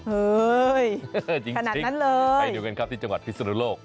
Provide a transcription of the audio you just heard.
เฮ้ยขนาดนั้นเลยจริงไปดูกันครับที่จังหวัดพิสุทธิ์โลก